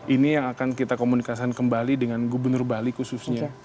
ini yang akan kita komunikasikan kembali dengan gubernur bali khususnya